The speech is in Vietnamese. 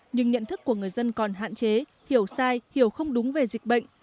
nhưng nhận thức của người dân còn hạn chế hiểu sai hiểu không đúng về dịch bệnh